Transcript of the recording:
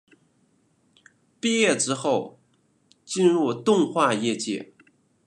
毕业之后进入动画业界。